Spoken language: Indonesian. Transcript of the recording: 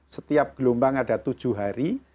setiap gelombang ada tujuh hari